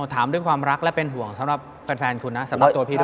ถามด้วยความรักและเป็นห่วงสำหรับแฟนคุณนะสำหรับตัวพี่ด้วย